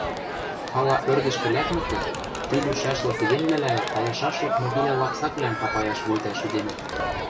Хала ӧрдӹжкӹ лӓкмӹкӹ, ти лӱшӓшлык эдемвлӓлӓн тайышашлык мыгилӓ лаксаквлӓм капаяш вуйта шӱденӹт.